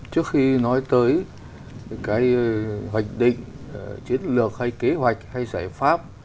trước khi nói tới cái hoạch định chiến lược hay kế hoạch hay giải pháp